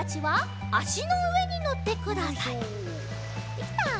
できた！